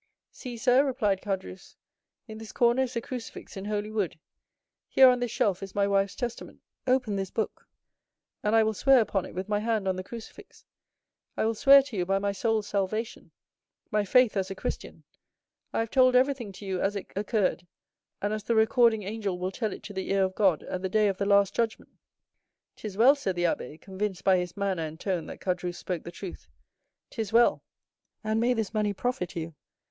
"See, sir," replied Caderousse, "in this corner is a crucifix in holy wood—here on this shelf is my wife's testament; open this book, and I will swear upon it with my hand on the crucifix. I will swear to you by my soul's salvation, my faith as a Christian, I have told everything to you as it occurred, and as the recording angel will tell it to the ear of God at the day of the last judgment!" "'Tis well," said the abbé, convinced by his manner and tone that Caderousse spoke the truth. "'Tis well, and may this money profit you!